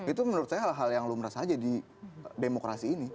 itu menurut saya hal hal yang lumrah saja di demokrasi ini